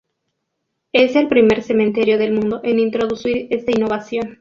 Es el primer cementerio del mundo en introducir esta innovación.